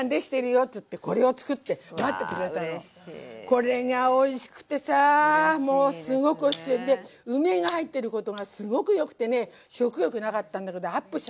これがおいしくてさすごくおいしくてで梅が入ってることがすごくよくてね食欲なかったんだけどアップしちゃったね。